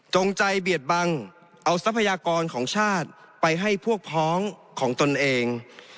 ใจเบียดบังเอาทรัพยากรของชาติไปให้พวกพ้องของตนเอง